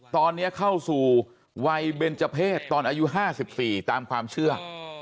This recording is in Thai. ตอนนี้เข้าสู่วัยเบนเจอร์เพศตอนอายุ๕๔ตามความเชื่อ